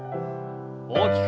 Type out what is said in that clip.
大きく。